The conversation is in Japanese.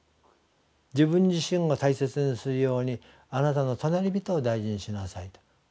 自分自身を大切にするようにあなたの隣人を大事にしなさいと。